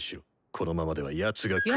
このままではやつが来。